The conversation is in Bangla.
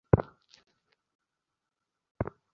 কথাবার্তা আগে হইতে ভাবিয়া প্রস্তুত হইয়া বসিয়া ছিল।